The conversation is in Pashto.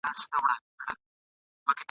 موږ باید د قرآن په روڼا کي زده کړي وکړو.